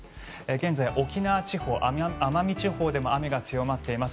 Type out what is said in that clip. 現在、沖縄地方奄美地方でも雨が強まっています。